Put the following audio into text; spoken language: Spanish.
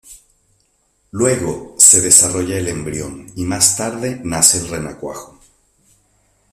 Luego, se desarrolla el embrión, y más tarde nace el renacuajo.